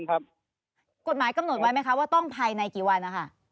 กฎหมายกำหนดไว้ไหมคะว่าต้องภายในกี่วันนะคะ